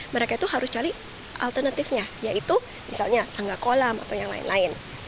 mereka itu harus cari alternatifnya yaitu misalnya tangga kolam atau yang lain lain